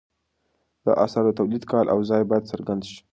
د اثر د تولید کال او ځای باید څرګند شي.